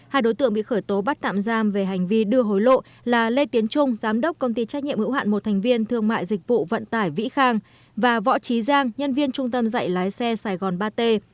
hai đối tượng bị khởi tố bắt tạm giam về hành vi đưa hối lộ là lê tiến trung giám đốc công ty trách nhiệm hữu hạn một thành viên thương mại dịch vụ vận tải vĩ khang và võ trí giang nhân viên trung tâm dạy lái xe sài gòn ba t